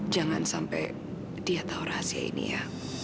jangan sampai dia tahu rahasia ini ya